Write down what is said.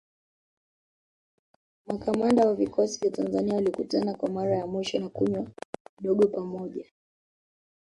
Makamanda wa vikosi vya Tanzania walikutana kwa mara ya mwisho na kunywa kidogo pamoja